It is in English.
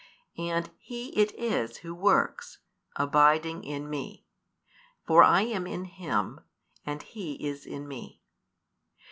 And He it is Who works, abiding in Me: for I am in Him, and He is in Me.